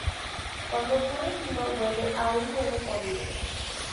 Cuando ocurre el vino huele a un huevo podrido.